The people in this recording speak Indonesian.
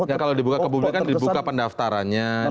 ya kalau dibuka ke publik kan dibuka pendaftarannya